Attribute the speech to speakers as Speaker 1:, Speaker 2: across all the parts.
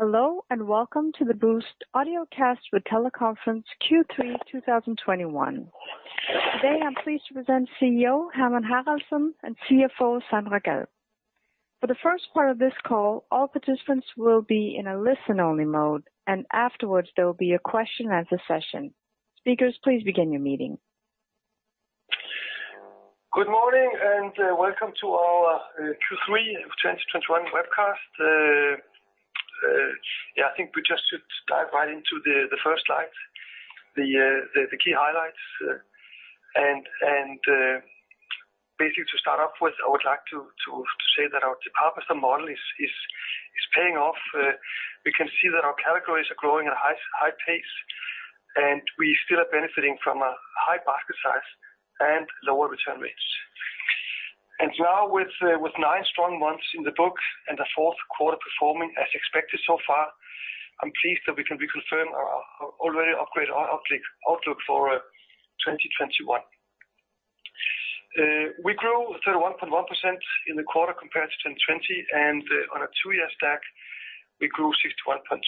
Speaker 1: Hello and welcome to the Boozt Audiocast with Teleconference Q3 2021. Today, I'm pleased to present CEO Hermann Haraldsson and CFO Sandra Gadd. For the first part of this call, all participants will be in a listen-only mode, and afterwards, there will be a question & answer session. Speakers, please begin your meeting.
Speaker 2: Good morning and welcome to our Q3 of 2021 webcast. I think we just should dive right into the first slide, the key highlights. Basically, to start off with, I would like to say that our department store model is paying off. We can see that our categories are growing at a high pace, and we still are benefiting from a high basket size and lower return rates. Now with nine strong months in the books and the fourth quarter performing as expected so far, I'm pleased that we can reconfirm our already upgraded outlook for 2021. We grew 31.1% in the quarter compared to 2020, and on a two-year stack, we grew 61.2%.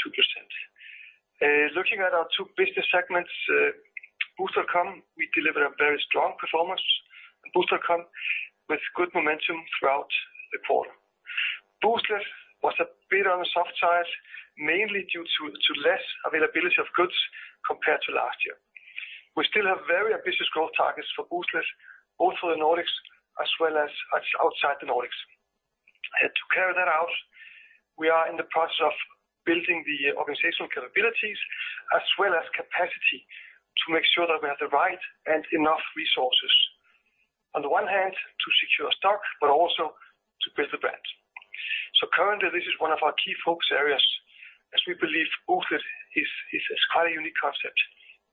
Speaker 2: Looking at our two business segments, boozt.com, we delivered a very strong performance in boozt.com with good momentum throughout the quarter. Booztlet was a bit on the soft side, mainly due to less availability of goods compared to last year. We still have very ambitious growth targets for Booztlet, both for the Nordics as well as outside the Nordics. To carry that out, we are in the process of building the organizational capabilities as well as capacity to make sure that we have the right and enough resources. On the one hand, to secure stock, but also to build the brand. Currently, this is one of our key focus areas as we believe Booztlet is this highly unique concept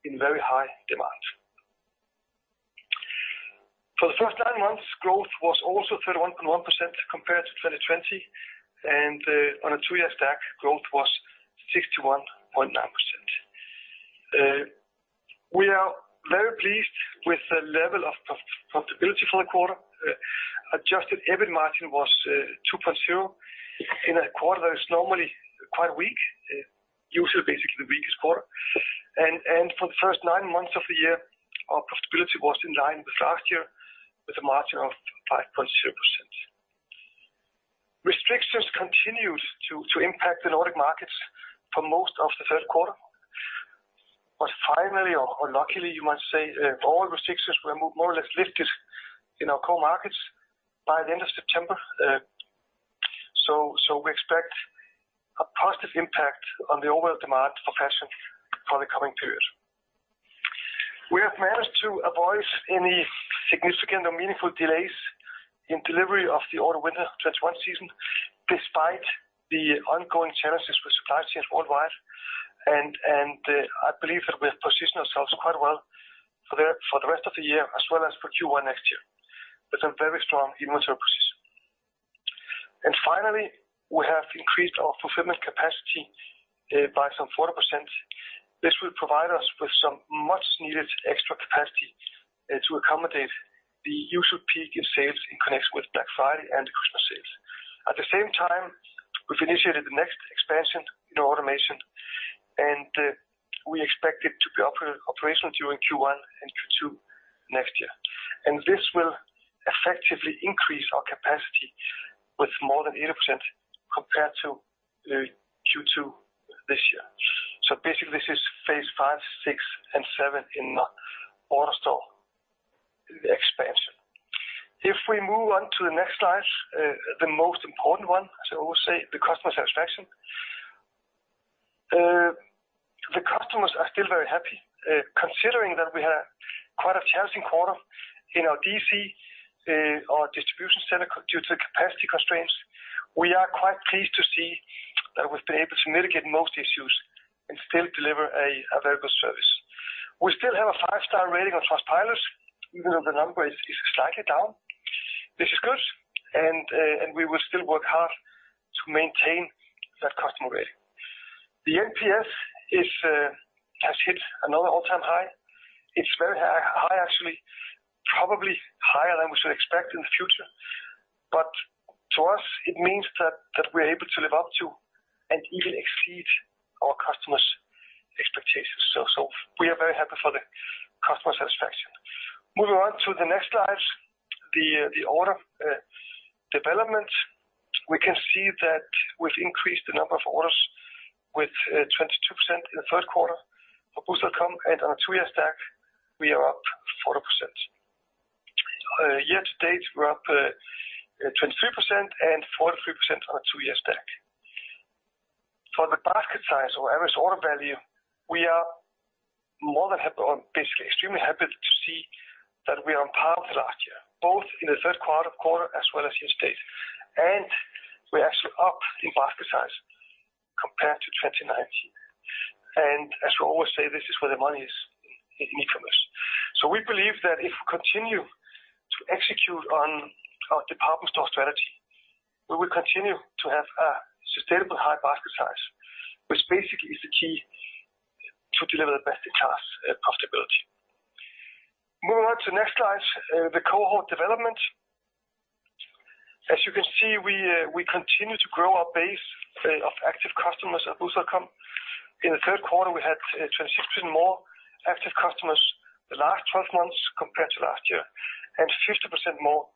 Speaker 2: in very high demand. For the first nine months, growth was also 31.1% compared to 2020, and on a two-year stack, growth was 61.9%. We are very pleased with the level of profitability for the quarter. Adjusted EBIT margin was 2.0% in a quarter that is normally quite weak, usually basically the weakest quarter. For the first nine months of the year, our profitability was in line with last year with a margin of 5.3%. Restrictions continued to impact the Nordic markets for most of the third quarter. Finally, luckily you might say, all restrictions were more or less lifted in our core markets by the end of September. We expect a positive impact on the overall demand for fashion for the coming period. We have managed to avoid any significant or meaningful delays in delivery of the Autum- Winter 2021 season, despite the ongoing challenges with supply chains worldwide. I believe that we have positioned ourselves quite well for the rest of the year as well as for Q1 next year with some very strong inventory position. Finally, we have increased our fulfillment capacity by some 40%. This will provide us with some much needed extra capacity to accommodate the usual peak in sales in connection with Black Friday and Christmas sales. At the same time, we've initiated the next expansion in automation, and we expect it to be operational during Q1 and Q2 next year. This will effectively increase our capacity with more than 80% compared to Q2 this year. Basically, this is phase V, VI, and VII in AutoStore expansion. If we move on to the next slide, the most important one, as I always say, the customer satisfaction. The customers are still very happy. Considering that we had quite a challenging quarter in our DC, our distribution center due to capacity constraints. We are quite pleased to see that we've been able to mitigate most issues and still deliver a very good service. We still have a five-star rating on Trustpilot, even though the number is slightly down. This is good and we will still work hard to maintain that customer rating. The NPS has hit another all-time high. It's very high, actually, probably higher than we should expect in the future. To us, it means that we're able to live up to and even exceed our customers' expectations. We are very happy for the customer satisfaction. Moving on to the next slide, the order development. We can see that we've increased the number of orders with 22% in the third quarter for boozt.com, and on a two-year stack, we are up 40%. Year-to-date, we're up 23% and 43% on a two-year stack. For the basket size or average order value, we are more than happy or basically extremely happy to see that we are on par with last year, both in the third quarter as well as year-to-date. We're actually up in basket size compared to 2019. As we always say, this is where the money is in e-commerce. We believe that if we continue to execute on our department store strategy, we will continue to have a sustainable high basket size, which basically is the key to deliver the best in class profitability. Moving on to the next slide, the cohort development. As you can see, we continue to grow our base of active customers at boozt.com. In the third quarter, we had 26% more active customers the last 12 months compared to last year, and 50% more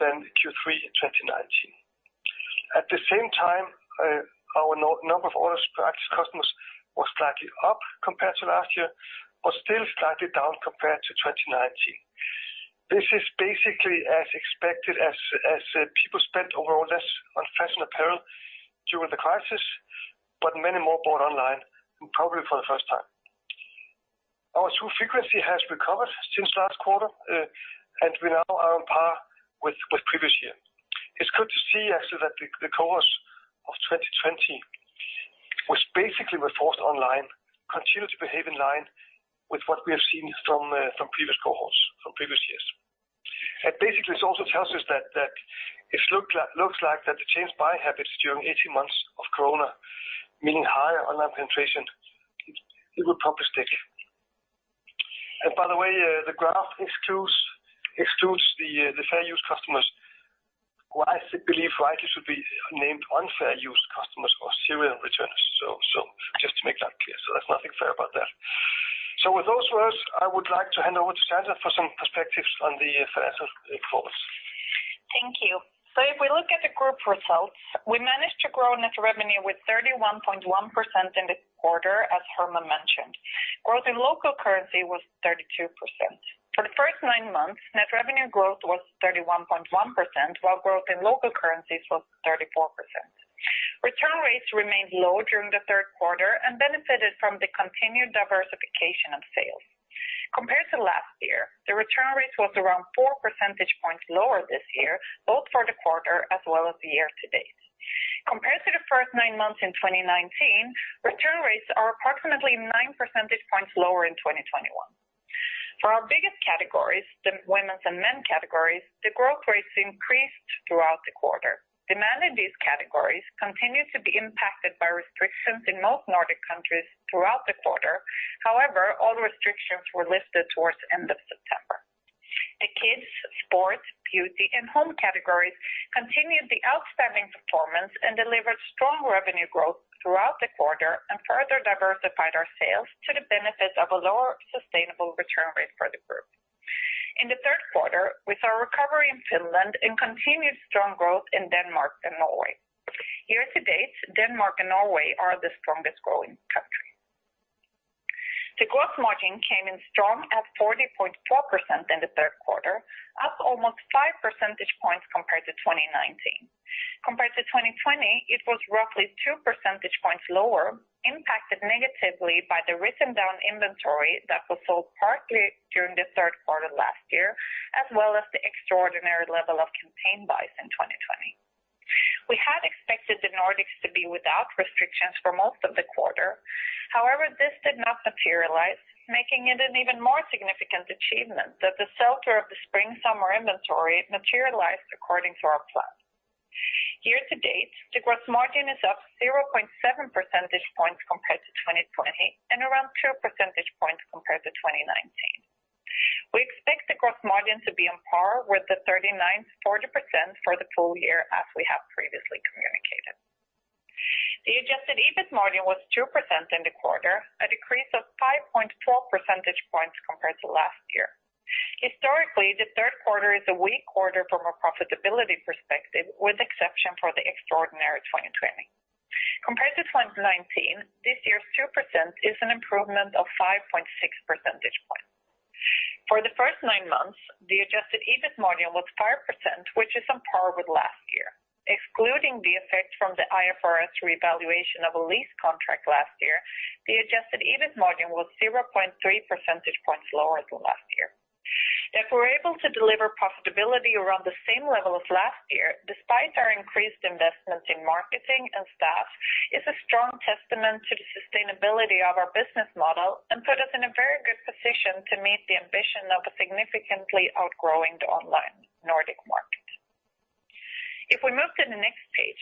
Speaker 2: than Q3 in 2019. At the same time, our number of orders per active customers was slightly up compared to last year but still slightly down compared to 2019. This is basically as expected as people spent overall less on fashion apparel during the crisis, but many more bought online, and probably for the first time. Our true frequency has recovered since last quarter and we now are on par with previous year. It's good to see actually that the cohorts of 2020, which basically were forced online, continue to behave in line with what we have seen from previous cohorts from previous years. Basically, this also tells us that it looks like the changed buying habits during 18 months of Corona, meaning higher online penetration, it will probably stick. By the way, the graph excludes the fair use customers, who I believe rightly should be named unfair use customers or serial returners, so just to make that clear. There's nothing fair about that. With those words, I would like to hand over to Sandra for some perspectives on the financial reports.
Speaker 3: Thank you. If we look at the group results, we managed to grow net revenue with 31.1% in the quarter, as Hermann mentioned. Growth in local currency was 32%. For the first nine months, net revenue growth was 31.1%, while growth in local currencies was 34%. Return rates remained low during the third quarter and benefited from the continued diversification of sales. Compared to last year, the return rates was around 4 percentage points lower this year, both for the quarter as well as the year-to-date. Compared to the first nine months in 2019, return rates are approximately 9 percentage points lower in 2021. For our biggest categories, the women's and men categories, the growth rates increased throughout the quarter. Demand in these categories continued to be impacted by restrictions in most Nordic countries throughout the quarter. However, all restrictions were lifted towards the end of September. The kids, sports, beauty, and home categories continued the outstanding performance and delivered strong revenue growth throughout the quarter and further diversified our sales to the benefit of a lower sustainable return rate for the group. In the third quarter, with our recovery in Finland, and continued strong growth in Denmark and Norway. Year-to-date, Denmark and Norway are the strongest growing countries. The growth margin came in strong at 40.4% in the third quarter, up almost 5 percentage points compared to 2019. Compared to 2020, it was roughly 2 percentage points lower, impacted negatively by the written down inventory that was sold partly during the third quarter last year, as well as the extraordinary level of campaign buys in 2020. We had expected the Nordics to be without restrictions for most of the quarter. However, this did not materialize, making it an even more significant achievement that the sale of the spring/summer inventory materialized according to our plan. Year-to-date, the gross margin is up 0.7 percentage points compared to 2020 and around 2 percentage points compared to 2019. We expect the gross margin to be on par with the 39% to 40% for the full-year as we have previously communicated. The adjusted EBIT margin was 2% in the quarter, a decrease of 5.4 percentage points compared to last year. Historically, the third quarter is a weak quarter from a profitability perspective, with the exception for the extraordinary 2020. Compared to 2019, this year's 2% is an improvement of 5.6 percentage points. For the first nine months, the adjusted EBIT margin was 5%, which is on par with last year. Excluding the effect from the IFRS revaluation of a lease contract last year, the adjusted EBIT margin was 0.3 percentage points lower than last year. If we're able to deliver profitability around the same level as last year, despite our increased investments in marketing and staff, is a strong testament to the sustainability of our business model and puts us in a very good position to meet the ambition of significantly outgrowing the online Nordic market. If we move to the next page,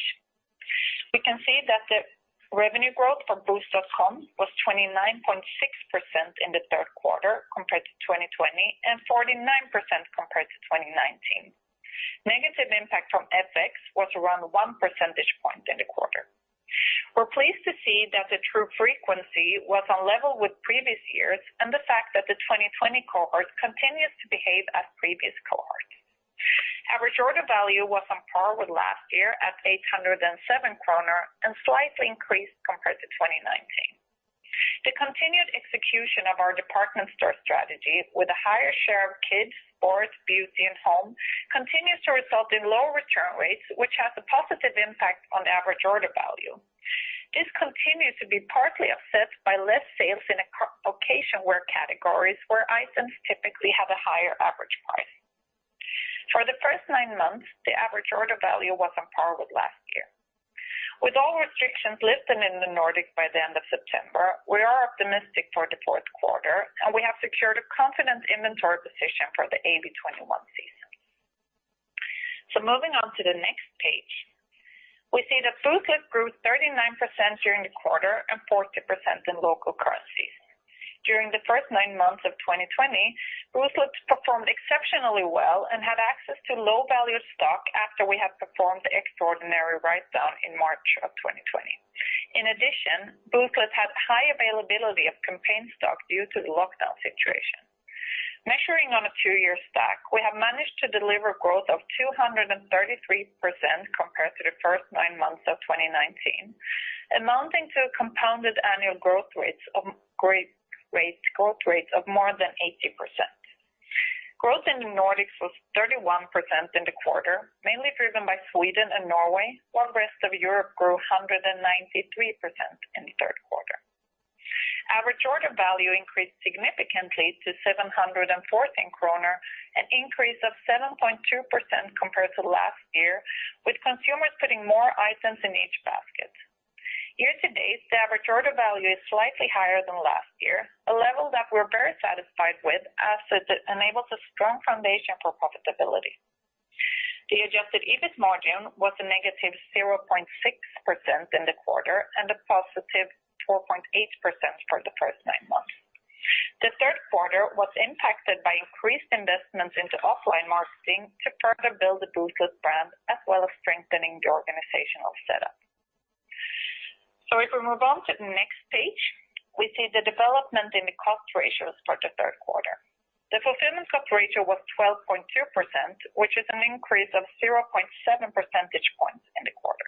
Speaker 3: we can see that the revenue growth for boozt.com was 29.6% in the third quarter compared to 2020 and 49% compared to 2019. Negative impact from FX was around 1 percentage point in the quarter. We're pleased to see that the true frequency was on level with previous years and the fact that the 2020 cohort continues to behave as previous cohort. Average order value was on par with last year at 807 kronor and slightly increased compared to 2019. The continued execution of our department store strategy with a higher share of kids, sports, beauty, and home continues to result in lower return rates, which has a positive impact on average order value. This continues to be partly offset by less sales in occasion wear categories where items typically have a higher average price. For the first nine months, the average order value was on par with last year. With all restrictions lifted in the Nordic by the end of September, we are optimistic for the fourth quarter, and we have secured a confident inventory position for the AB 2021 season. Moving on to the next page, we see that Boozt grew 39% during the quarter and 40% in local currencies. During the first nine months of 2020, Boozt performed exceptionally well and had access to low-value stock after we had performed the extraordinary write-down in March of 2020. In addition, Boozt had high availability of campaign stock due to the lockdown situation. Measuring on a two-year stack, we have managed to deliver growth of 233% compared to the first nine months of 2019, amounting to a compounded annual growth rate of more than 80%. Growth in the Nordics was 31% in the quarter, mainly driven by Sweden and Norway, while rest of Europe grew 193% in the third quarter. Average order value increased significantly to 714 kronor, an increase of 7.2% compared to last year with consumers putting more items in each basket. Year-to-date, the average order value is slightly higher than last year, a level that we're very satisfied with as it enables a strong foundation for profitability. The adjusted EBIT margin was a negative 0.6% in the quarter and a positive 4.8% for the first nine months. The third quarter was impacted by increased investments into offline marketing to further build the Boozt brand, as well as strengthening the organizational setup. If we move on to the next page, we see the development in the cost ratios for the third quarter. The fulfillment cost ratio was 12.2%, which is an increase of 0.7 percentage points in the quarter.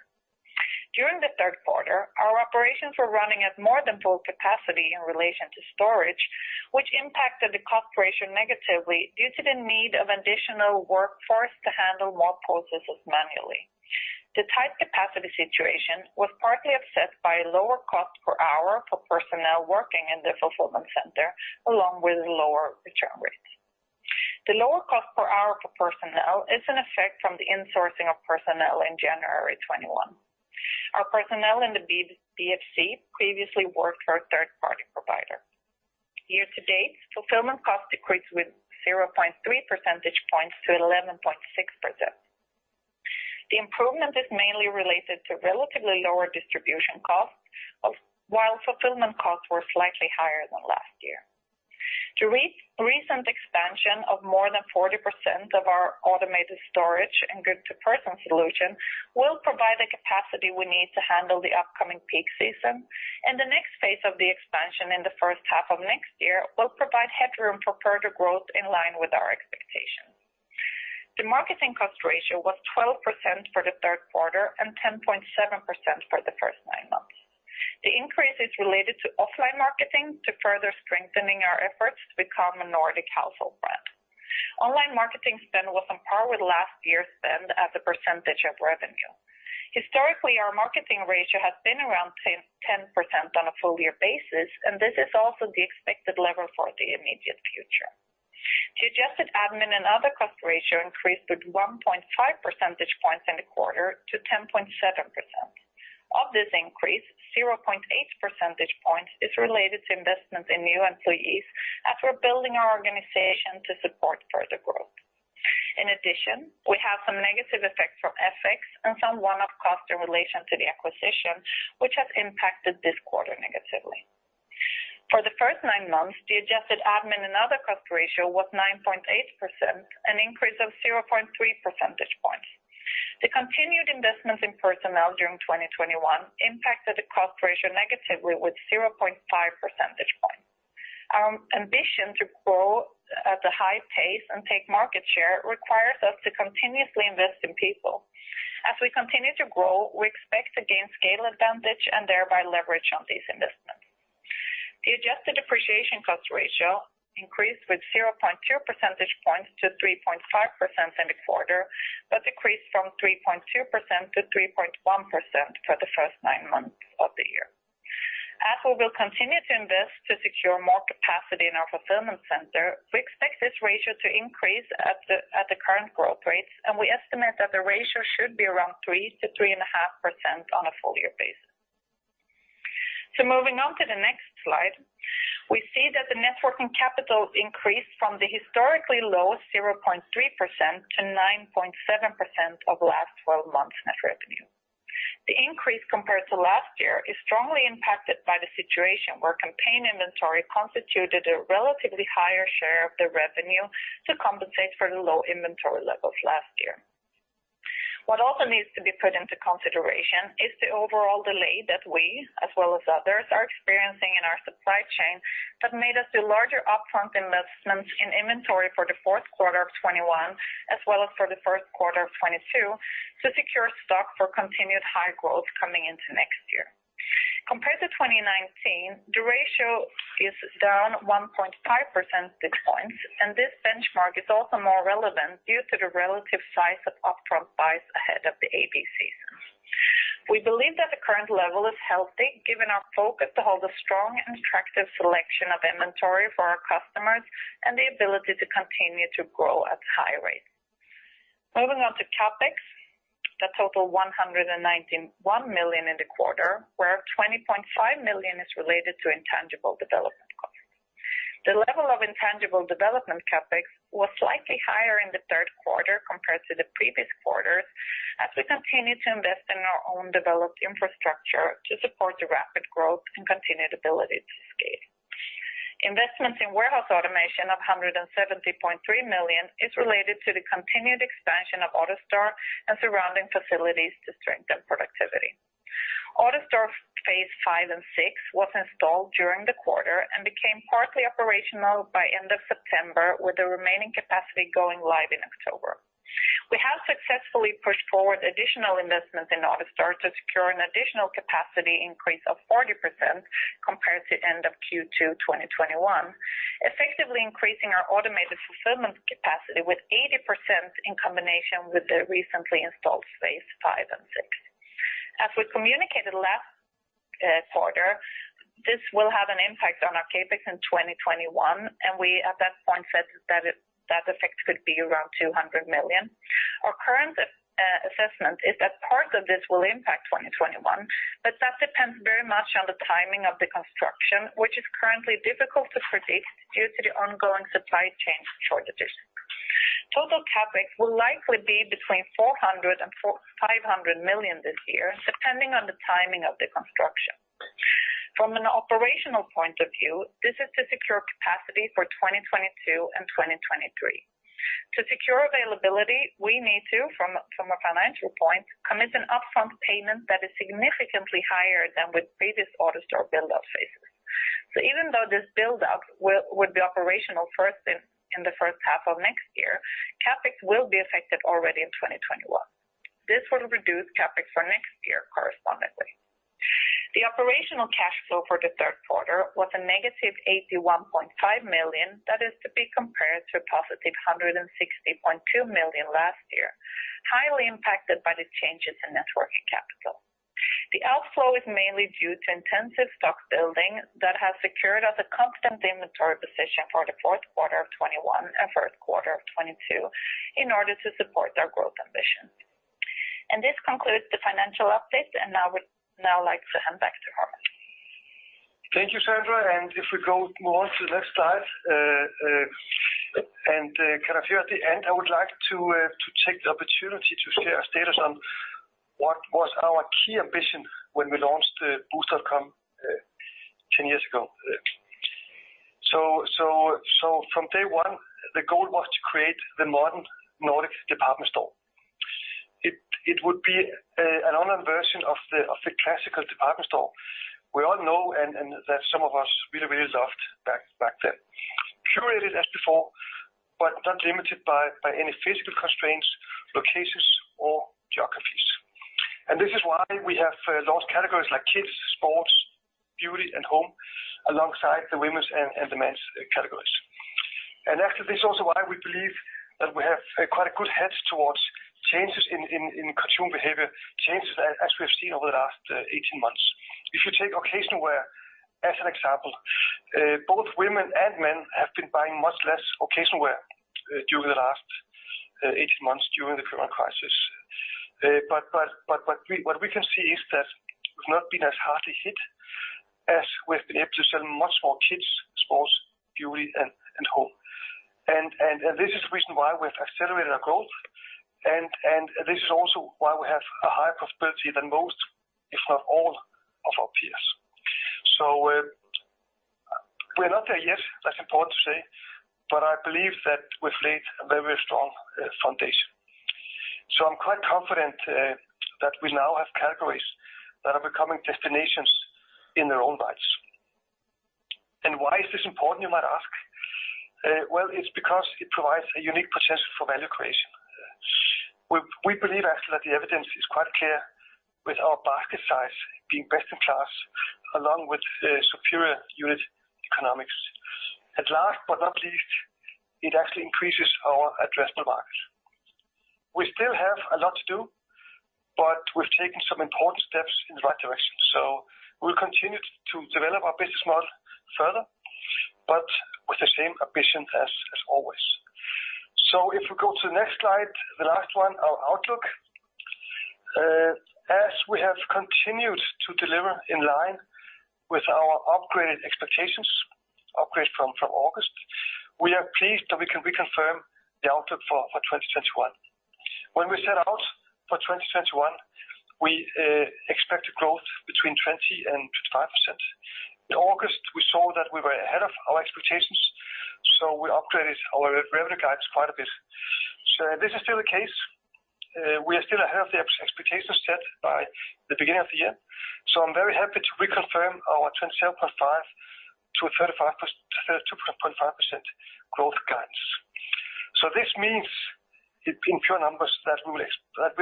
Speaker 3: During the third quarter, our operations were running at more than full capacity in relation to storage, which impacted the cost ratio negatively due to the need of additional workforce to handle more processes manually. The tight capacity situation was partly offset by a lower cost per hour for personnel working in the fulfillment center, along with lower return rates. The lower cost per hour for personnel is an effect from the insourcing of personnel in January 2021. Our personnel in the BFC previously worked for a third-party provider. Year-to-date, fulfillment cost decreased with 0.3 percentage points to 11.6%. The improvement is mainly related to relatively lower distribution costs while fulfillment costs were slightly higher than last year. The recent expansion of more than 40% of our automated storage and goods-to-person solution will provide the capacity we need to handle the upcoming peak season. The next phase of the expansion in the first half of next year will provide headroom for further growth in line with our expectations. The marketing cost ratio was 12% for the third quarter and 10.7% for the first nine months. The increase is related to offline marketing to further strengthen our efforts to become a Nordic household brand. Online marketing spend was on par with last year's spend as a percentage of revenue. Historically, our marketing ratio has been around 10% on a full-year basis, and this is also the expected level for the immediate future. The adjusted admin and other cost ratio increased with 1.5 percentage points in the quarter to 10.7%. Of this increase, 0.8 percentage points is related to investments in new employees as we're building our organization to support further growth. In addition, we have some negative effects from FX and some one-off costs in relation to the acquisition, which has impacted this quarter negatively. For the first nine months, the adjusted admin and other cost ratio was 9.8%, an increase of 0.3 percentage points. The continued investments in personnel during 2021 impacted the cost ratio negatively with 0.5 percentage points. Our ambition to grow at a high pace and take market share requires us to continuously invest in people. As we continue to grow, we expect to gain scale advantage and thereby leverage on these investments. The adjusted depreciation cost ratio increased with 0.2 percentage points to 3.5% in the quarter but decreased from 3.2% to 3.1% for the first nine months of the year. As we will continue to invest to secure more capacity in our fulfillment center, we expect this ratio to increase at the current growth rates, and we estimate that the ratio should be around 3% to 3.5% on a full-year basis. Moving on to the next slide, we see that the net working capital increased from the historically low 0.3% to 9.7% of last 12 months net revenue. The increase compared to last year is strongly impacted by the situation where campaign inventory constituted a relatively higher share of the revenue to compensate for the low inventory levels last year. What also needs to be put into consideration is the overall delay that we, as well as others, are experiencing in our supply chain that made us do larger upfront investments in inventory for the fourth quarter of 2021 as well as for the first quarter of 2022 to secure stock for continued high growth coming into next year. Compared to 2019, the ratio is down 1.5 percentage points and this benchmark is also more relevant due to the relative size of upfront buys ahead of the AB season. We believe that the current level is healthy, given our focus to hold a strong and attractive selection of inventory for our customers and the ability to continue to grow at a high rate. Moving on to CapEx, the total 191 million in the quarter, where 20.5 million is related to intangible development. The level of intangible development CapEx was slightly higher in the third quarter compared to the previous quarters, as we continue to invest in our own developed infrastructure to support the rapid growth and continued ability to scale. Investments in warehouse automation of 170.3 million is related to the continued expansion of AutoStore and surrounding facilities to strengthen productivity. AutoStore phase V and VI was installed during the quarter and became partly operational by end of September, with the remaining capacity going live in October. We have successfully pushed forward additional investments in AutoStore to secure an additional capacity increase of 40% compared to end of Q2 2021, effectively increasing our automated fulfillment capacity with 80% in combination with the recently installed phase V and VI. As we communicated last quarter, this will have an impact on our CapEx in 2021, and we at that point said that effect could be around 200 million. Our current assessment is that part of this will impact 2021, but that depends very much on the timing of the construction, which is currently difficult to predict due to the ongoing supply chain shortages. Total CapEx will likely be between 400 million and 500 million this year, depending on the timing of the construction. From an operational point of view, this is to secure capacity for 2022 and 2023. To secure availability, we need to, from a financial point, commit an upfront payment that is significantly higher than with previous AutoStore build-out phases. Even though this build-out would be operational first in the first half of next year, CapEx will be affected already in 2021. This will reduce CapEx for next year correspondingly. The operational cash flow for the third quarter was a -81.5 million, that is to be compared to a positive 160.2 million last year, highly impacted by the changes in net working capital. The outflow is mainly due to intensive stock building that has secured us a constant inventory position for the fourth quarter of 2021 and first quarter of 2022 in order to support our growth ambitions. This concludes the financial update, and now I would like to hand back to Hermann.
Speaker 2: Thank you, Sandra. If we go over to the next slide, kind of here at the end, I would like to take the opportunity to share a status on what was our key ambition when we launched booztlet.com 10 years ago. From day one, the goal was to create the modern Nordic department store. It would be an online version of the classical department store we all know and that some of us really loved back then. Curated as before but not limited by any physical constraints, locations, or geographies. This is why we have those categories like kids, sports, beauty, and home, alongside the women's and the men's categories. Actually, this is also why we believe that we have quite a good hedge towards changes in consumer behavior, changes as we have seen over the last 18 months. If you take occasion wear as an example, both women and men have been buying much less occasion wear during the last 18 months during the COVID crisis. But what we can see is that we've not been as hard hit as we've been able to sell much more kids, sports, beauty, and home. This is the reason why we've accelerated our growth, and this is also why we have a higher profitability than most, if not all of our peers. We're not there yet, that's important to say, but I believe that we've laid a very strong foundation. I'm quite confident that we now have categories that are becoming destinations in their own rights. Why is this important, you might ask? Well, it's because it provides a unique potential for value creation. We believe actually that the evidence is quite clear with our basket size being best in class, along with superior unit economics. Last but not least, it actually increases our addressable market. We still have a lot to do but we've taken some important steps in the right direction. We'll continue to develop our business model further but with the same ambition as always. If we go to the next slide, the last one, our outlook. As we have continued to deliver in line with our upgraded expectations, upgrade from August, we are pleased that we can reconfirm the outlook for 2021. When we set out for 2021, we expected growth between 20% and 25%. In August, we saw that we were ahead of our expectations, so we upgraded our revenue guides quite a bit. This is still the case. We are still ahead of the expectations set by the beginning of the year. I'm very happy to reconfirm our 27.5% to 30.5% growth guidance. This means in pure numbers that we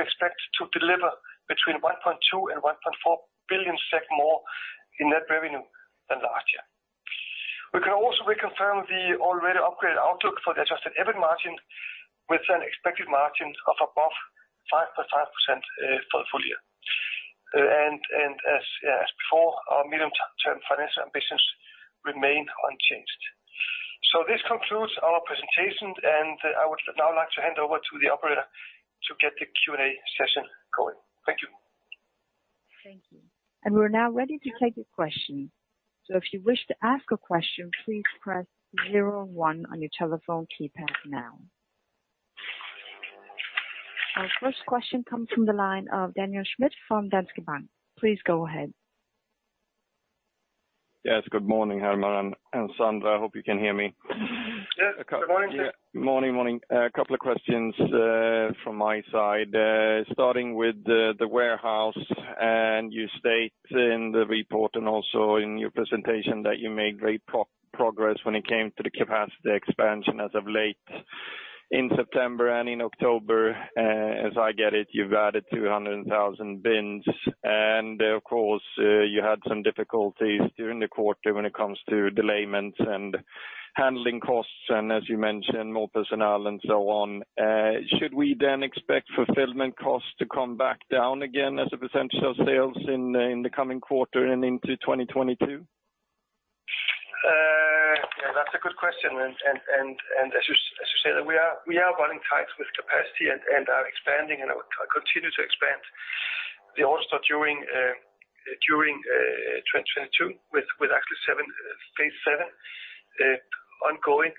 Speaker 2: expect to deliver between 1.2 billion and 1.4 billion SEK more in net revenue than the last year. We can also reconfirm the already upgraded outlook for the adjusted EBIT margin with an expected margin of above 5.5% for the full-year. And as before, our medium-term financial ambitions remain unchanged. This concludes our presentation and I would now like to hand over to the operator to get the Q&A session going. Thank you.
Speaker 1: Thank you. We're now ready to take your questions. If you wish to ask a question, please press zero one on your telephone keypad now. Our first question comes from the line of Daniel Schmidt from Danske Bank. Please go ahead.
Speaker 4: Yes. Good morning, Hermann and Sandra. I hope you can hear me.
Speaker 2: Yes. Good morning.
Speaker 4: Morning, morning, a couple of questions from my side starting with the warehouse. You state in the report and also in your presentation that you made great progress when it came to the capacity expansion as of late in September and in October. As I get it, you've added 200,000 bins, and of course, you had some difficulties during the quarter when it comes to delays and handling costs and as you mentioned, more personnel, and so on. Should we then expect fulfillment costs to come back down again as a percentage of sales in the coming quarter and into 2022?
Speaker 2: Yeah, that's a good question. As you said, we are running tight with capacity and are expanding, and we continue to expand the AutoStore during 2022 with actually seven, phase VII ongoing.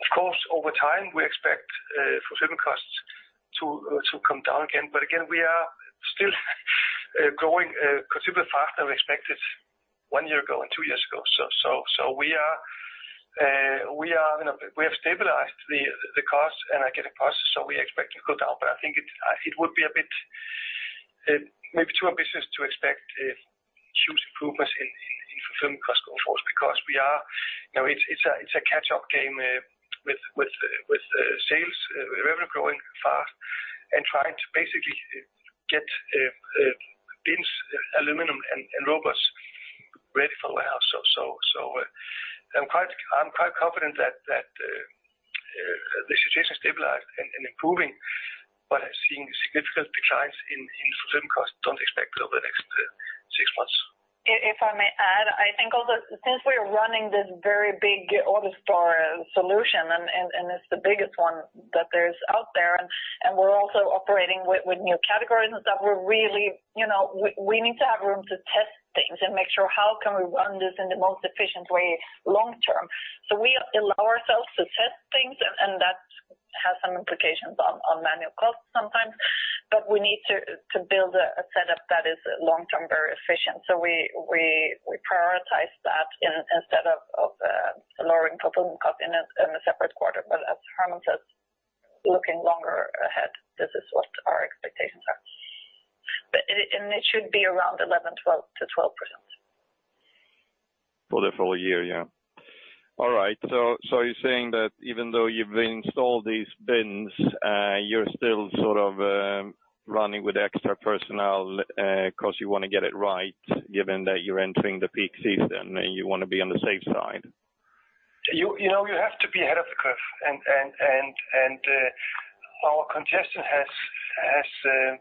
Speaker 2: Of course, over time, we expect fulfillment costs to come down again, but again, we are still growing considerably faster than expected one year ago and two years ago. We have stabilized the costs and are getting costs so we expect it to go down. I think it would be a bit maybe too ambitious to expect huge improvements in fulfillment costs going forward because we are, you know, it's a catch-up game with sales revenue growing fast and trying to basically get bins, aluminum, and robots ready for warehouse. I'm quite confident that the situation is stabilized and improving, but seeing significant declines in fulfillment costs, don't expect over the next six months.
Speaker 3: If I may add, I think also since we are running this very big AutoStore solution and it's the biggest one that there is out there, and we're also operating with new categories and stuff, we're really, you know, we need to have room to test things and make sure how can we run this in the most efficient way long term. We allow ourselves to test things and that has some implications on manual costs sometimes. We need to build a setup that is long term very efficient. We prioritize that instead of lowering fulfillment cost in a separate quarter. As Hermann says, looking longer ahead, this is what our expectations are. It should be around 11% to 12%.
Speaker 4: For the full-year, yeah. All right. Are you saying that even though you've installed these bins, you're still sort of running with extra personnel because you want to get it right given that you're entering the peak season, and you want to be on the safe side?
Speaker 2: You have to be ahead of the curve and our congestion has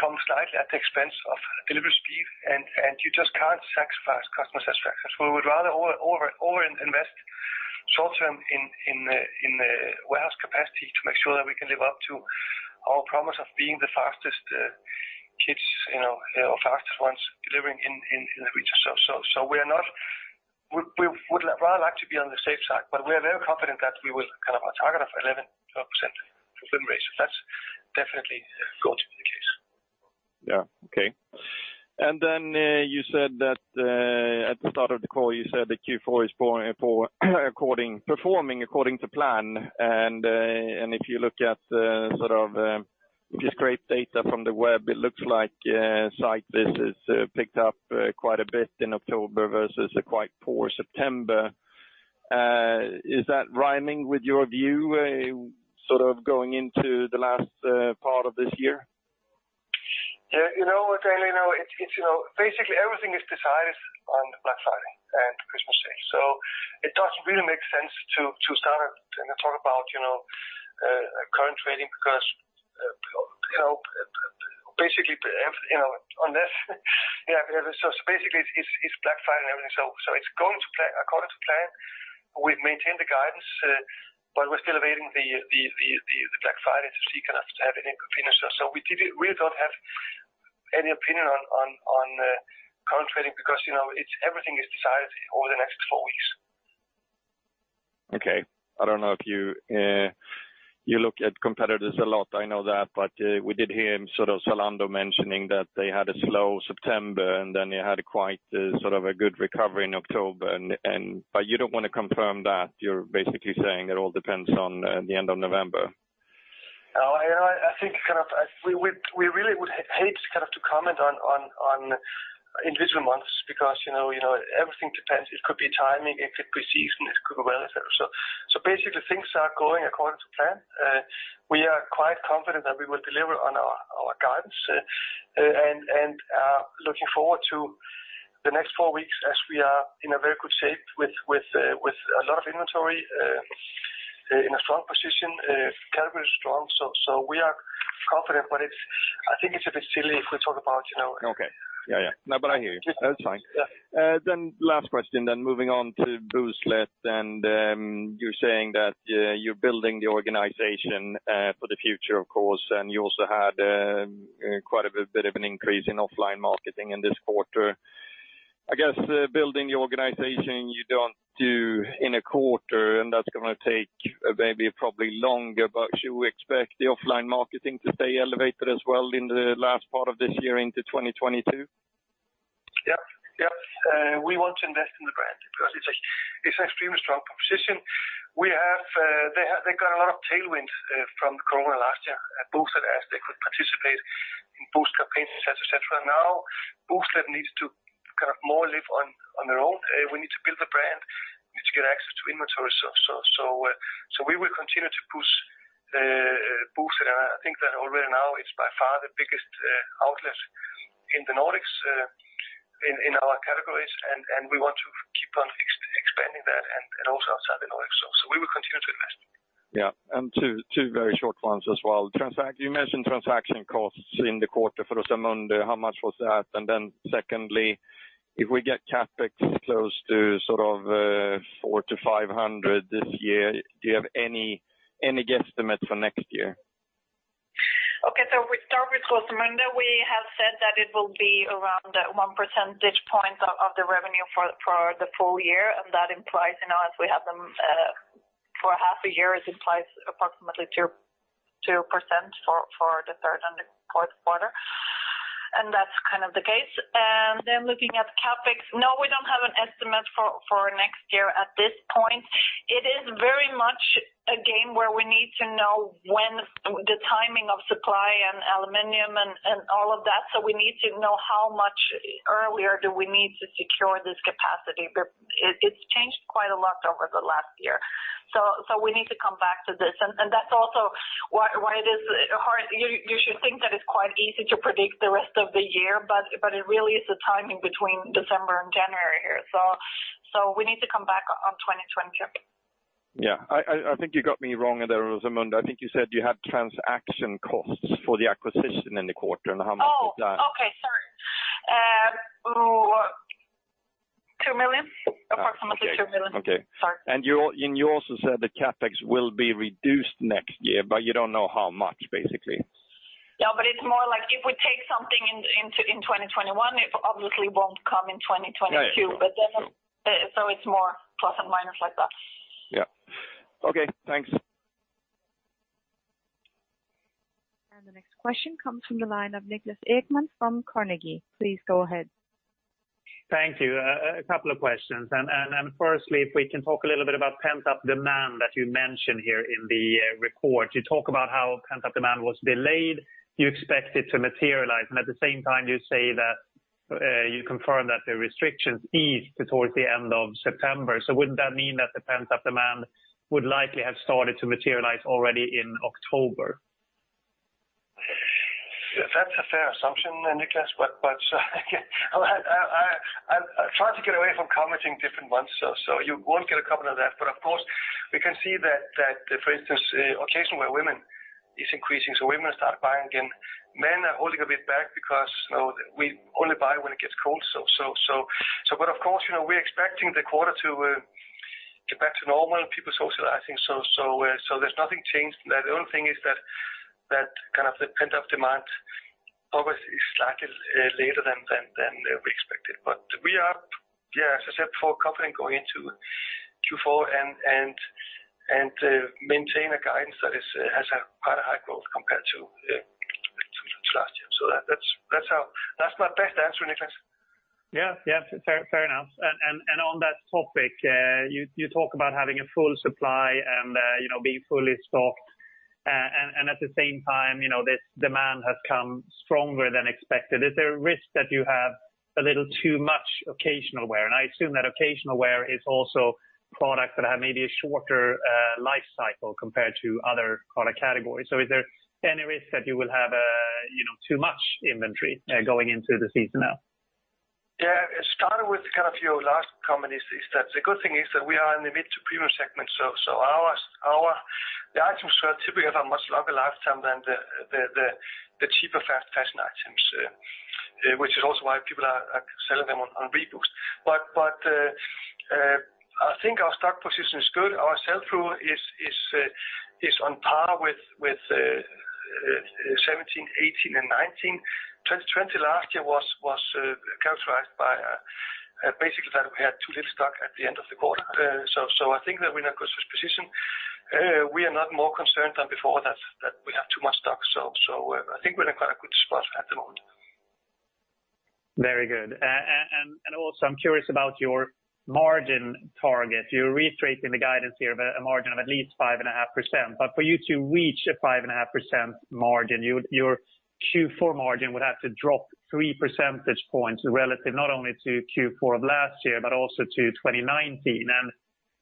Speaker 2: come slightly at the expense of delivery speed and you just can't sacrifice customer satisfaction. We would rather overinvest short term in the warehouse capacity to make sure that we can live up to our promise of being the fastest, clicks, you know, or fastest ones delivering in the region. We would rather like to be on the safe side, but we are very confident that we will kind of hit our target of 11%-12% fulfillment ratio. That's definitely going to be the case.
Speaker 4: Okay. You said that at the start of the call, Q4 is performing according to plan. If you look at sort of just scrape data from the web, it looks like site visits picked up quite a bit in October versus a quite poor September. Is that aligning with your view sort of going into the last part of this year?
Speaker 2: Yeah. Again, you know, it's you know, basically everything is decided on Black Friday and Christmas Day. It doesn't really make sense to start and talk about, you know, current trading because, you know, basically, you know, unless yeah, so basically it's Black Friday and everything. It's going to plan, according to plan. We've maintained the guidance but we're still awaiting the Black Friday to see kind of to have any conclusion. We don't have any opinion on current trading because, you know, it's everything is decided over the next four weeks.
Speaker 4: Okay. I don't know if you you look at competitors a lot, I know that, but we did hear sort of Zalando mentioning that they had a slow September, and then they had a quite sort of a good recovery in October but you don't want to confirm that. You're basically saying it all depends on the end of November.
Speaker 2: I think we really would hate to comment on individual months because, you know, everything depends. It could be timing, it could be season, it could be weather. Basically, things are going according to plan. We are quite confident that we will deliver on our guidance and looking forward to the next four weeks as we are in a very good shape with a lot of inventory, in a strong position. Category is strong, so we are confident, but I think it's a bit silly if we talk about it now.
Speaker 4: Okay. Yeah, yeah. No, but I hear you. That's fine.
Speaker 2: Yeah.
Speaker 4: Last question, then moving on to Booztlet. You're saying that you're building the organization for the future, of course, and you also had quite a bit of an increase in offline marketing in this quarter. Building the organization, you don't do in a quarter, and that's going to take maybe probably longer. Should we expect the offline marketing to stay elevated as well in the last part of this year into 2022?
Speaker 2: We want to invest in the brand because it's extremely strong position. They got a lot of tailwind from Corona last year. Booztlet had asked they could participate in Booztlet campaigns, et cetera. Now, Booztlet needs to kind of live more on their own. We need to build the brand. We need to get access to inventory. We will continue to push Booztlet. I think that already now it's by far the biggest outlet in the Nordics in our categories. We want to keep on expanding that and also outside the Nordics. We will continue to invest.
Speaker 4: Yeah and two very short ones as well. You mentioned transaction costs in the quarter for Rosemunde. How much was that? Secondly, if we get CapEx close to sort of 400 to 500 this year, do you have any guesstimates for next year?
Speaker 3: Okay. We start with Rosemunde. We have said that it will be around one percentage point of the revenue for the full-year. That implies, you know, as we have them for half a year, it implies approximately 2% for the third and the fourth quarter, and that's kind of the case. Looking at CapEx, no, we don't have an estimate for next year at this point. It is very much a game where we need to know when, the timing of supply, and aluminum, and all of that. We need to know how much earlier do we need to secure this capacity. It's changed quite a lot over the last year. We need to come back to this. That's also why it is hard. You should think that it's quite easy to predict the rest of the year but it really is the timing between December and January here. We need to come back on 2020.
Speaker 4: Yeah. I think you got me wrong there, Rosemunde. I think you said you had transaction costs for the acquisition in the quarter and how much was that?
Speaker 3: Oh, okay. Sorry. 2 million, approximately 2 million.
Speaker 4: Okay.
Speaker 3: Sorry.
Speaker 4: You also said the CapEx will be reduced next year, but you don't know how much basically.
Speaker 3: No, it's more like if we take something into 2021. It, obviously, won't come in 2022.
Speaker 4: Right.
Speaker 3: It's more plus and minus like that.
Speaker 4: Yeah. Okay, thanks.
Speaker 1: The next question comes from the line of Niklas Ekman from Carnegie. Please go ahead.
Speaker 5: Thank you, a couple of questions, and firstly, if we can talk a little bit about pent-up demand that you mentioned here in the report. You talk about how pent-up demand was delayed, you expect it to materialize. At the same time you say that you confirm that the restrictions eased towards the end of September. Wouldn't that mean that the pent-up demand would likely have started to materialize already in October?
Speaker 2: That's a fair assumption, Niklas. I'll try to get away from commenting different months. You won't get a comment on that. Of course, we can see that for instance, occasional wear women is increasing, so women start buying again. Men are holding a bit back because, you know, we only buy when it gets cold. Of course, you know, we're expecting the quarter to get back to normal, people socializing. There's nothing changed there. The only thing is that kind of the pent-up demand probably is slightly later than we expected. We are, yeah, as I said, feel confident going into Q4 and maintain a guidance that has a quite a high growth compared to last year. That's how, that's my best answer, Niklas.
Speaker 5: Yeah. Fair enough. On that topic, you talk about having a full supply and, you know, being fully stocked, and at the same time, you know, this demand has come stronger than expected. Is there a risk that you have a little too much occasional wear? I assume that occasional wear is also products that have maybe a shorter life cycle compared to other product categories. Is there any risk that you will have, you know, too much inventory going into the season now?
Speaker 2: Yeah. Starting with kind of your last comment, the good thing is that we are in the mid to premium segment. The items typically have a much longer lifetime than the cheaper fast fashion items, which is also why people are selling them on ReBoozt. I think our stock position is good. Our sell-through is on par with 2017, 2018, and 2019. 2020 last year was characterized by basically that we had too little stock at the end of the quarter. I think that we're in a good position. We are not more concerned than before that we have too much stock. I think we're in quite a good spot at the moment.
Speaker 5: Very good. I'm curious about your margin target. You're reiterating the guidance here of a margin of at least 5.5%. For you to reach a 5.5% margin, your Q4 margin would have to drop 3 percentage points relative not only to Q4 of last year, but also to 2019.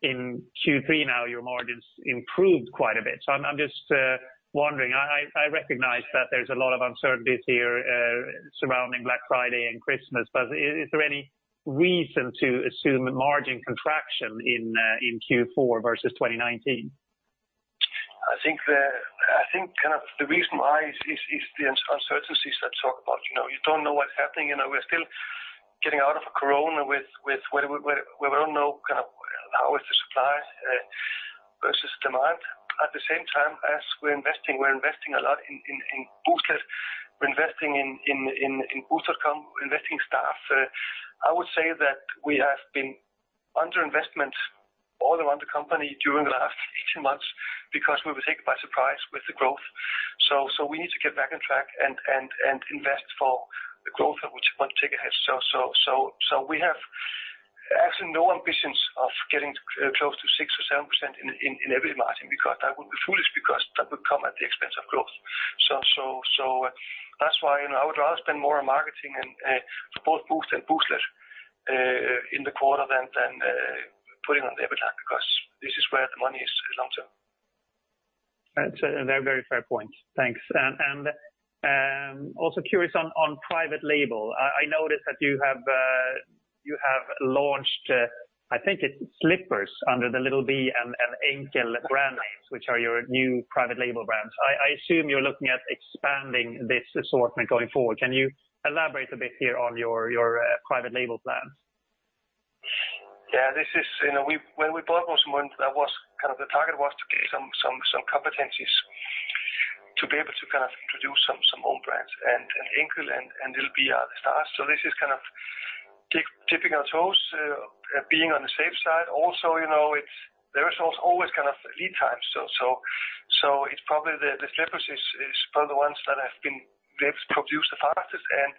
Speaker 5: In Q3 now your margins improved quite a bit. I'm wondering, I recognize that there's a lot of uncertainties here surrounding Black Friday and Christmas, but is there any reason to assume a margin contraction in Q4 versus 2019?
Speaker 2: I think kind of the reason why is the uncertainties I talk about. You don't know what's happening, you know, we're still getting out of Corona with where we don't know kind of how is the supply versus demand. At the same time as we're investing, we're investing a lot in Booztlet. We're investing in booztlet.com, we're investing in staff. I would say that we have been under-investment all around the company during the last 18 months because we were taken by surprise with the growth. We need to get back on track and invest for the growth that we want to take ahead. We have actually no ambitions of getting close to 6% or 7% in EBITDA margin because that would be foolish, because that would come at the expense of growth. That's why, you know, I would rather spend more on marketing and for both Boozt and Booztlet in the quarter than putting on the EBITDA because this is where the money is long term.
Speaker 5: That's a very, very fair point. Thanks. Also curious on private label, I noticed that you have launched, I think it's slippers under the Little V and Enkel brand names, which are your new private label brands. I assume you're looking at expanding this assortment going forward. Can you elaborate a bit here on your private label plans?
Speaker 2: Yeah, this is, you know, when we bought Rosemunde that was kind of the target was to get some competencies to be able to kind of introduce some own brands, and Enkel and Little V are the start. This is kind of dipping our toes, being on the safe side. Also, you know, it's there is always kind of lead time, so it's probably the slippers is probably the ones that have been produced the fastest and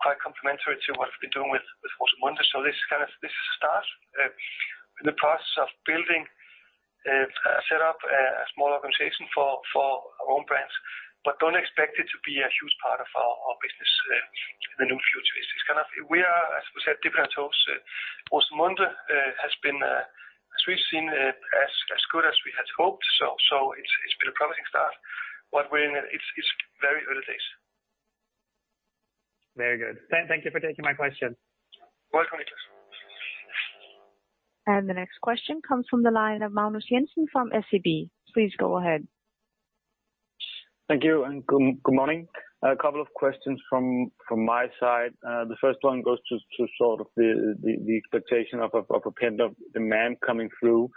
Speaker 2: quite complementary to what we've been doing with Rosemunde. This is kind of a start in the process of building and set up a small organization for our own brands, but don't expect it to be a huge part of our business in the near future. It's just kind of, as we said, dipping our toes. Rosemunde has been, as we've seen, as good as we had hoped. It's been a promising start, but we're in a, it's very early days.
Speaker 5: Very good. Thank you for taking my question.
Speaker 2: Welcome.
Speaker 1: The next question comes from the line of Magnus Jensen from SEB. Please go ahead.
Speaker 6: Thank you, and good morning, a couple of questions from my side. The first one goes to sort of the expectation of a pent-up demand coming through.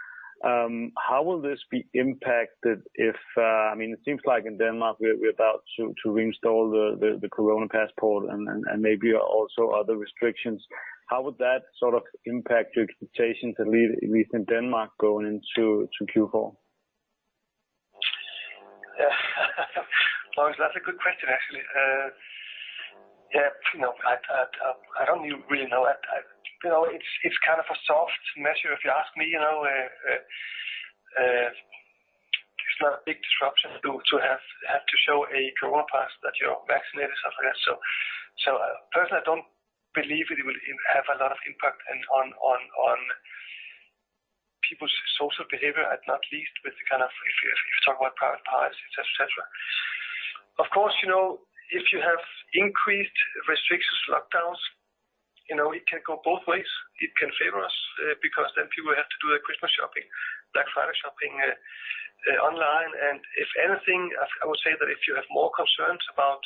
Speaker 6: How will this be impacted if it seems like in Denmark we're about to reinstall the Corona passport and maybe also other restrictions. How would that sort of impact your expectations at least in Denmark going into Q4?
Speaker 2: Magnus, that's a good question, actually. Yeah, you know, I don't really know. You know, it's kind of a soft measure if you ask me, you know. It's not a big disruption to have to show a Corona pass that you're vaccinated or something like that. So personally, I don't believe it will have a lot of impact on people's social behavior, at least with the kind of if you talk about private parties, et cetera. Of course, you know, if you have increased restrictions, lockdowns, you know, it can go both ways. It can favor us, because then people have to do their Christmas shopping, Black Friday shopping online. If anything, I would say that if you have more concerns about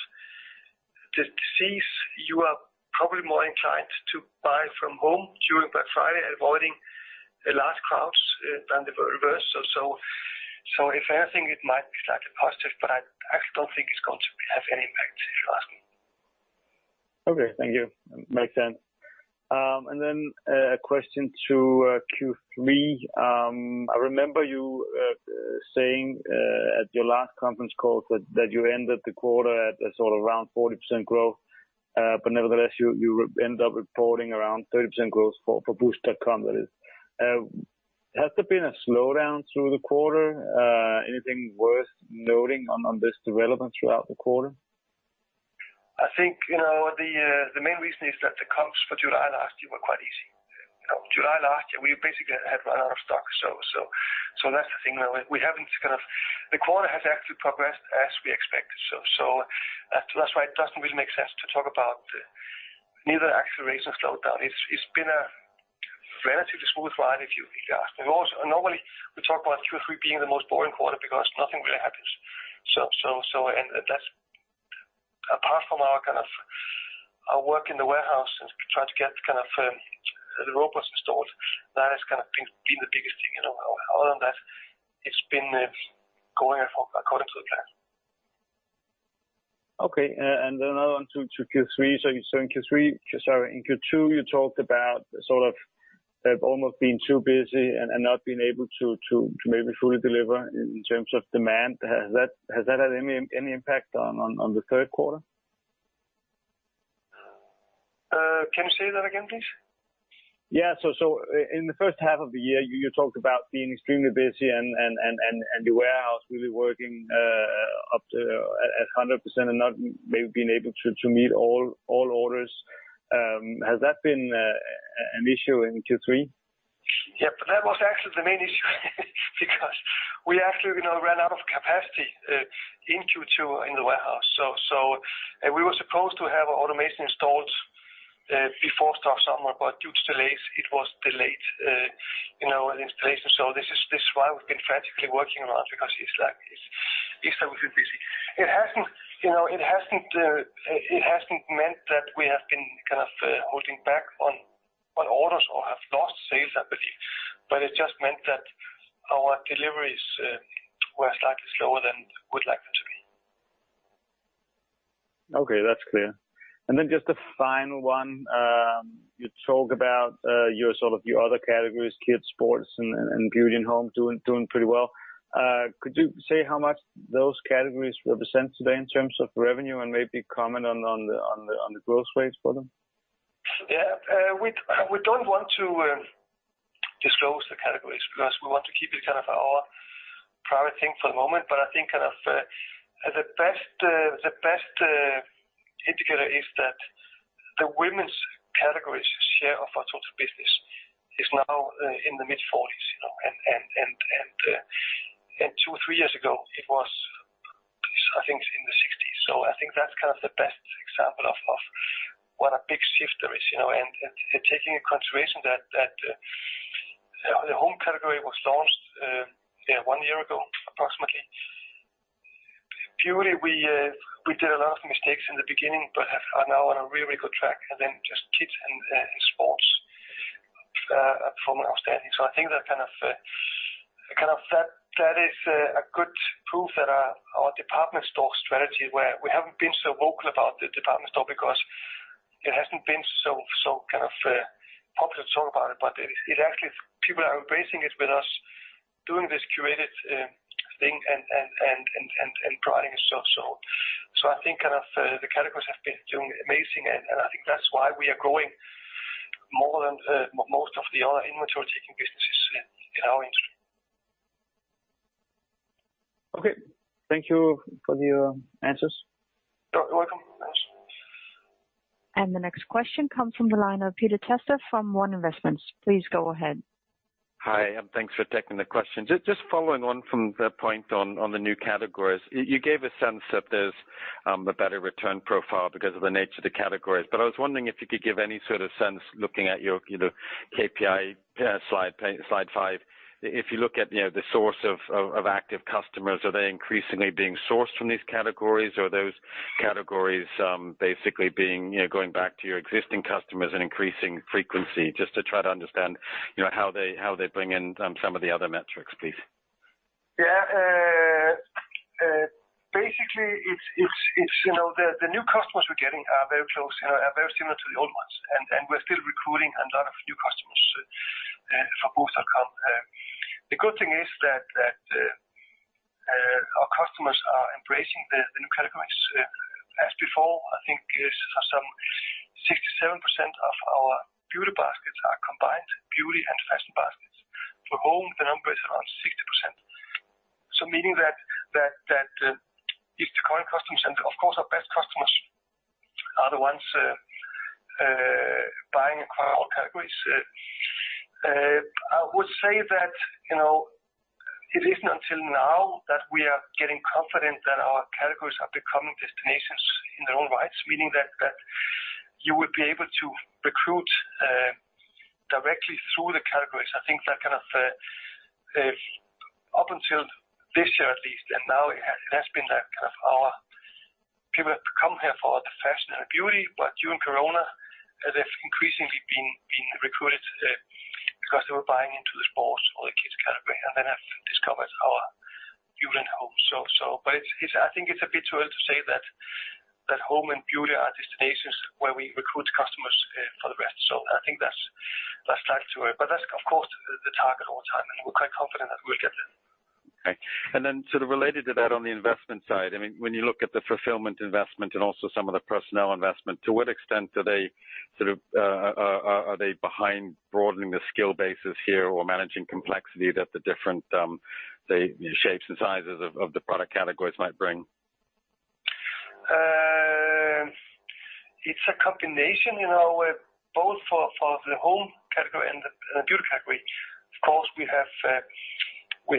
Speaker 2: the disease, you are probably more inclined to buy from home during Black Friday, avoiding large crowds than the reverse. If anything, it might be slightly positive, but I don't think it's going to have any impact if you ask me.
Speaker 6: Okay, thank you, makes sense. A question to Q3, I remember you saying at your last conference call that you ended the quarter at sort of around 40% growth, but nevertheless, you ended up reporting around 30% growth for boozt.com, that is. Has there been a slowdown through the quarter? Anything worth noting on this development throughout the quarter?
Speaker 2: I think, you know, the main reason is that the comps for July last year were quite easy. July last year we basically had run out of stock, that's the thing. We haven't kind of, the quarter has actually progressed as we expected. That's why it doesn't really make sense to talk about neither acceleration or slowdown. It's been a relatively smooth ride if you ask me. Also, normally we talk about Q3 being the most boring quarter because nothing really happens. And that's apart from our work in the warehouse and try to get kind of the robots installed, that has kind of been the biggest thing. You know, other than that, it's been going according to the plan.
Speaker 6: Okay. Another one to Q3, in Q3, sorry, in Q2, you talked about sort of have almost been too busy and not being able to maybe fully deliver in terms of demand. Has that had any impact on the third quarter?
Speaker 2: Can you say that again, please?
Speaker 6: Yeah. In the first half of the year, you talked about being extremely busy and the warehouse really working up to 100% and not maybe being able to meet all orders. Has that been an issue in Q3?
Speaker 2: That was actually the main issue because we actually, you know, ran out of capacity in Q2 in the warehouse. We were supposed to have automation installed before summer, but due to delays, it was delayed, you know, installation. This is why we've been frantically working on it because it's exactly busy. It hasn't, you know, meant that we have been kind of holding back on orders or have lost sales, I believe, but it just meant that our deliveries were slightly slower than we would like them to be.
Speaker 6: Okay, that's clear, and then just a final one. You talked about your sort of other categories, kids, sports, and beauty, and home doing pretty well. Could you say how much those categories represent today in terms of revenue and maybe comment on the growth rates for them?
Speaker 2: We don't want to disclose the categories because we want to keep it kind of our private thing for the moment. I think the best indicator is that the women's categories share of our total business is now in the mid-40s, you know, and two years, three years ago it was I think in the 60s. I think that's the best example of what a big shift there is, you know, and taking into consideration that the home category was launched one year ago, approximately. Early, we did a lot of mistakes in the beginning, but are now on a really good track, and then just kids and sports performing outstanding. I think that is a good proof that our department store strategy where we haven't been so vocal about the department store because it hasn't been so kind of popular to talk about it, but it actually people are embracing it with us doing this curated thing and trying it ourselves. I think kind of the categories have been doing amazing, and I think that's why we are growing more than most of the other inventory taking businesses in our industry.
Speaker 6: Okay. Thank you for your answers.
Speaker 2: You're welcome. Thanks.
Speaker 1: The next question comes from the line of Peter Testa from One Investments. Please go ahead.
Speaker 7: Hi, thanks for taking the question. Following on from the point on the new categories. You gave a sense that there's a better return profile because of the nature of the categories. I was wondering if you could give any sort of sense looking at your, you know, KPI on slide five. If you look at you know the source of active customers, are they increasingly being sourced from these categories or are those categories basically going back to your existing customers and increasing frequency? To try to understand how they bring in some of the other metrics, please.
Speaker 2: Yeah. Basically it's, you know, the new customers we're getting are very close, are very similar to the old ones, and we're still recruiting a lot of new customers from both outlets. The good thing is that our customers are embracing the new categories. As before, I think it's some 67% of our beauty baskets are combined beauty and fashion baskets. For home, the number is around 60%. Meaning that if the current customers and of course our best customers are the ones buying across all categories. I would say that, you know, it isn't until now that we are getting confident that our categories are becoming destinations in their own rights, meaning that you would be able to recruit directly through the categories. I think that kind of up until this year at least, and now it has been that kind of our people come here for the fashion and beauty, but during Corona, they've increasingly been recruited because they were buying into the sports or the kids category and then have discovered our beauty and home. But it's, I think it's a bit too early to say that home and beauty are destinations where we recruit customers for the rest. I think that's likely to it. That's, of course, the target all the time, and we're quite confident that we'll get there.
Speaker 7: Okay. Sort of related to that on the investment side, I mean, when you look at the fulfillment investment and also some of the personnel investment, to what extent are they sort of behind broadening the skill bases here or managing complexity that the different shapes and sizes of the product categories might bring?
Speaker 2: It's a combination, you know, both for the home category and the beauty category. Of course, we have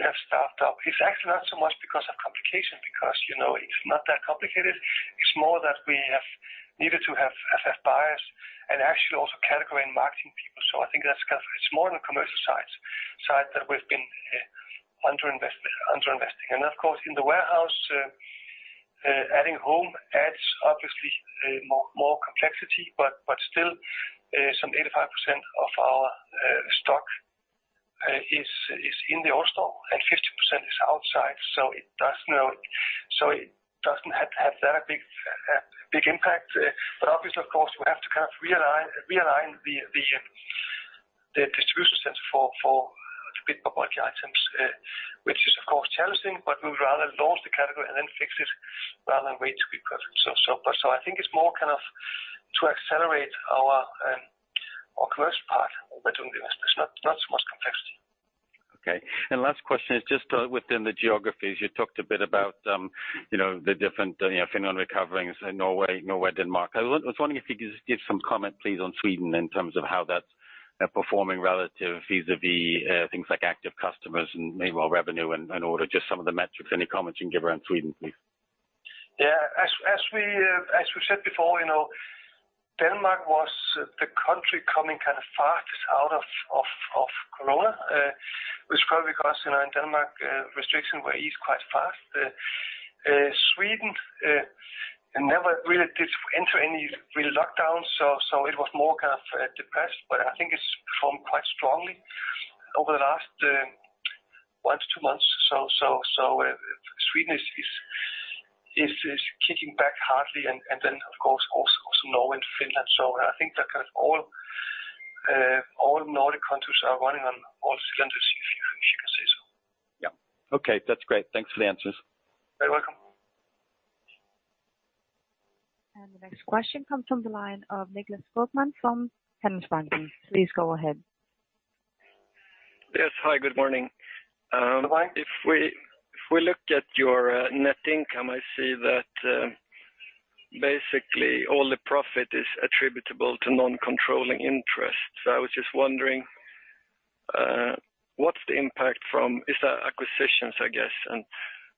Speaker 2: staffed up. It's actually not so much because of complication because, you know, it's not that complicated. It's more that we have needed to have F&F buyers and actually also category and marketing people. So I think that's kind of, it's more on the commercial side that we've been underinvesting. Of course, in the warehouse, adding home adds obviously more complexity, but still, some 85% of our stock is in the AutoStore and 15% is outside, so it doesn't have that big impact. Obviously, of course, we have to kind of realign the distribution center for the bit of bulky items, which is, of course, challenging, but we'd rather launch the category and then fix it rather than wait to be perfect. I think it's more kind of to accelerate our commercial part by doing the investment, not so much complexity.
Speaker 7: Okay. Last question is just within the geographies, you talked a bit about, you know, the different you know Finland recovering say Norway Denmark. I was wondering if you could just give some comment please on Sweden in terms of how that's performing relative vis-a-vis things like active customers and maybe revenue and order just some of the metrics. Any comments you can give around Sweden please?
Speaker 2: Yeah, as we said before, you know, Denmark was the country coming kind of fastest out of Corona, which probably because, you know, in Denmark, restrictions were eased quite fast. Sweden never really did enter any real lockdown, so it was more kind of depressed. But I think it's performed quite strongly over the last one month, two months. So Sweden is kicking back hard and then of course also now in Finland. So I think that kind of all Nordic countries are running on all cylinders if you can say so.
Speaker 7: Yeah. Okay. That's great. Thanks for the answers.
Speaker 2: You're welcome.
Speaker 1: The next question comes from the line of Nicklas Skogman from Handelsbanken. Please go ahead.
Speaker 8: Yes. Hi, good morning.
Speaker 2: Good morning.
Speaker 8: If we look at your net income, I see that basically all the profit is attributable to non-controlling interests. I was just wondering, what's the impact from acquisitions?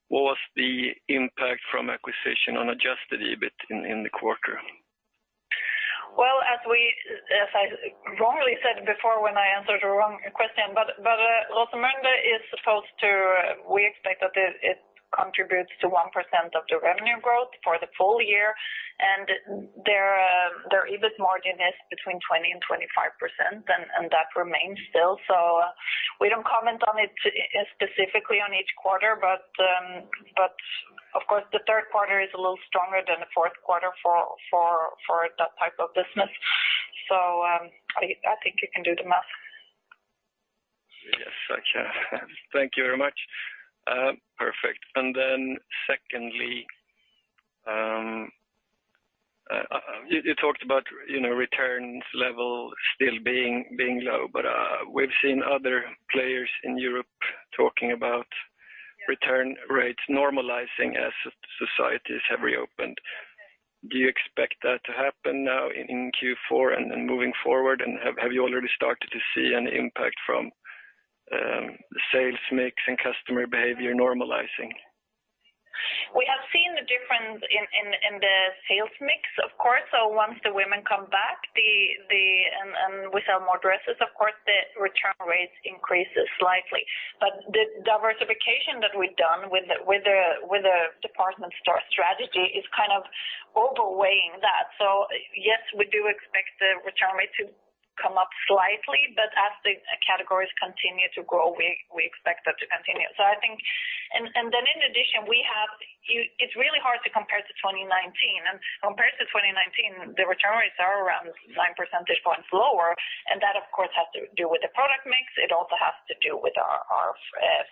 Speaker 8: What was the impact from acquisition on adjusted EBIT in the quarter?
Speaker 3: Well, as I wrongly said before when I answered the wrong question, Rosemunde, we expect that it contributes to 1% of the revenue growth for the full-year, and their EBIT margin is between 20% and 25%, and that remains still. We don't comment on it specifically on each quarter, but of course the third quarter is a little stronger than the fourth quarter for that type of business. I think you can do the math.
Speaker 8: Yes, I can. Thank you very much. Perfect. Secondly, you talked about, you know, returns level still being low, but we've seen other players in Europe talking about return rates normalizing as societies have reopened. Do you expect that to happen now in Q4 and then moving forward, and have you already started to see any impact from the sales mix and customer behavior normalizing?
Speaker 3: We have seen the difference in the sales mix, of course. Once the women come back, we sell more dresses, of course, the return rates increases slightly. But the diversification that we've done with the department store strategy is kind of over weighing that. Yes, we do expect the return rate to come up slightly, but as the categories continue to grow, we expect that to continue. In Addition, I think it's really hard to compare to 2019. Compared to 2019, the return rates are around nine percentage points lower, and that of course has to do with the product mix. It also has to do with our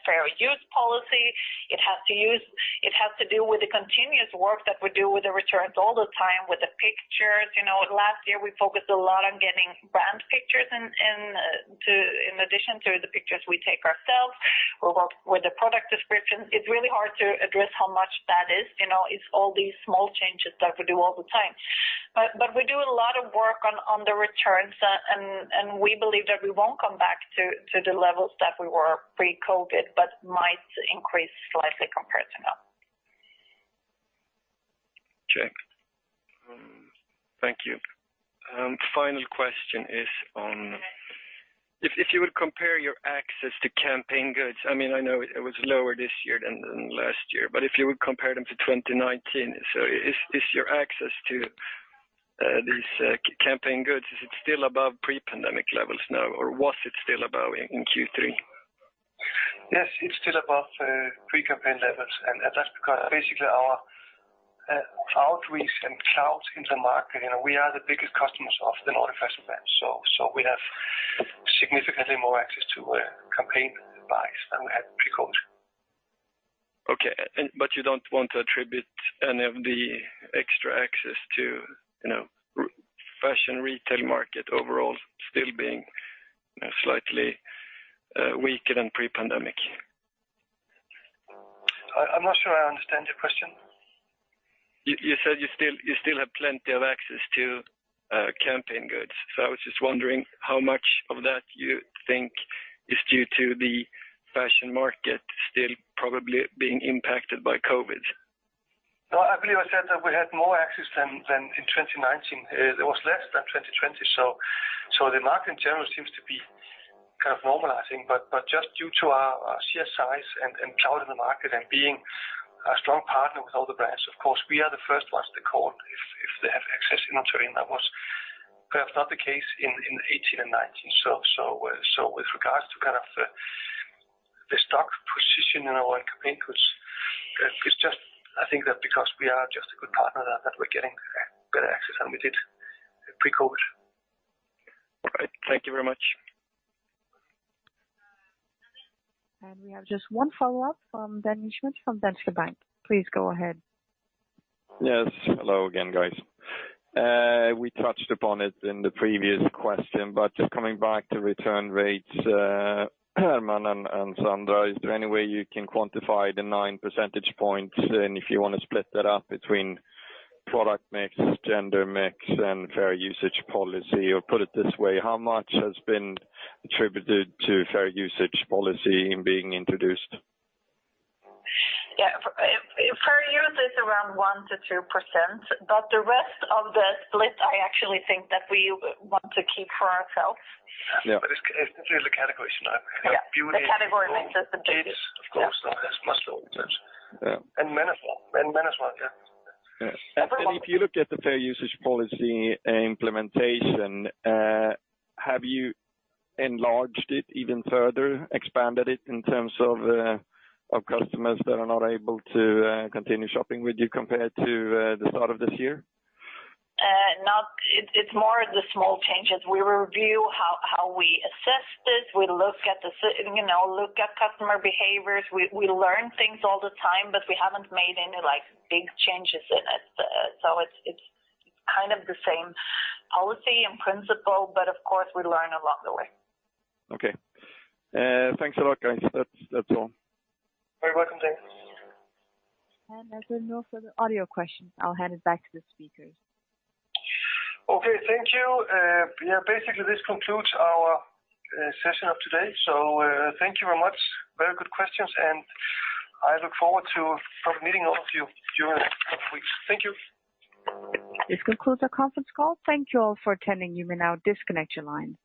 Speaker 3: Fair Use policy. It has to do with the continuous work that we do with the returns all the time with the pictures. Last year we focused a lot on getting brand pictures in addition to the pictures we take ourselves. We work with the product description. It's really hard to address how much that is, you know. It's all these small changes that we do all the time. But we do a lot of work on the returns and we believe that we won't come back to the levels that we were pre-COVID, but might increase slightly compared to now.
Speaker 8: Check. Thank you. Final question is on if you would compare your access to campaign goods. I mean, I know it was lower this year than last year, but if you would compare them to 2019. Is your access to these campaign goods still above pre-pandemic levels now or was it still above in Q3?
Speaker 2: Yes, it's still above pre-campaign levels, and that's because basically our outreach and clout in the market, you know, we are the biggest customers of the Nordic fashion brands. We have significantly more access to campaign buys than we had pre-COVID.
Speaker 8: You don't want to attribute any of the extra access to, you know, fashion retail market overall still being slightly weaker than pre-pandemic?
Speaker 2: I'm not sure I understand your question.
Speaker 8: You said you still have plenty of access to campaign goods. I was just wondering how much of that you think is due to the fashion market still probably being impacted by COVID?
Speaker 2: No, I believe I said that we had more access than in 2019. It was less than 2020. The market, generally, seems to be kind of normalizing. Due to our sheer size and clout in the market and being a strong partner with all the brands, of course, we are the first ones to call if they have access. I'm sure that was perhaps not the case in 2018 and 2019. With regards to kind of the stock position in our campaign, which is just I think that because we are just a good partner that we're getting better access than we did pre-COVID.
Speaker 8: All right. Thank you very much.
Speaker 1: We have just one follow-up from Dan Schmidt from Danske Bank. Please go ahead.
Speaker 4: Yes. Hello again, guys. We touched upon it in the previous question, but just coming back to return rates, Hermann and Sandra, is there any way you can quantify the 9 percentage points? If you want to split that up between product mix, gender mix and Fair Usage policy? Or put it this way, how much has been attributed to Fair Usage policy and being introduced?
Speaker 3: Yeah. Fair Use is around 1% to 2%, but the rest of the split I actually think that we want to keep for ourselves.
Speaker 4: Yeah.
Speaker 2: It's really the categories, you know?
Speaker 3: Yeah.
Speaker 2: Beauty.
Speaker 3: The category mix is the biggest.
Speaker 2: Kids, of course, has muscle.
Speaker 4: Yeah.
Speaker 2: Mens wear, yeah.
Speaker 4: Yes.
Speaker 3: Everyone.
Speaker 4: If you look at the Fair Use policy implementation, have you enlarged it even further, expanded it in terms of customers that are not able to continue shopping with you compared to the start of this year?
Speaker 3: It's more the small changes. We review how we assess this. We look at, you know, customer behaviors. We learn things all the time, but we haven't made any, like, big changes in it. It's kind of the same policy and principle, but of course, we learn along the way.
Speaker 4: Okay. Thanks a lot, guys. That's all.
Speaker 2: You're welcome, Daniel.
Speaker 1: As there are no further audio questions, I'll hand it back to the speakers.
Speaker 2: Okay. Thank you. Yeah, basically this concludes our session of today. Thank you very much, very good questions, and I look forward to meeting all of you during the next couple of weeks. Thank you.
Speaker 1: This concludes our conference call. Thank you all for attending. You may now disconnect your line.